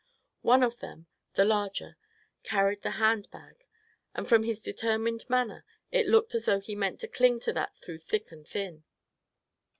One of them, the larger, carried the hand bag; and from his determined manner it looked as though he meant to cling to that through thick and thin.